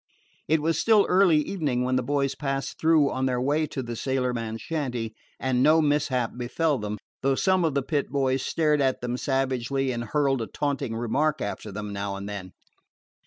It was still early evening when the boys passed through on their way to the sailorman's shanty, and no mishap befell them, though some of the Pit boys stared at them savagely and hurled a taunting remark after them, now and then.